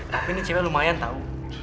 tapi ini cewek lumayan tahu